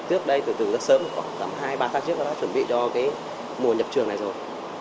tiếp đây từ từ rất sớm khoảng hai ba tháng trước nó đã chuẩn bị cho cái mùa nhập trường này rồi